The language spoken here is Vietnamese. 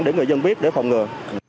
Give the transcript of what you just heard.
để người dân biết để phòng ngừa